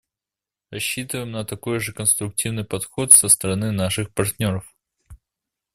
Рассчитываем на такой же конструктивный подход со стороны наших партнеров.